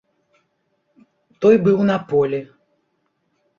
Той быў на полі.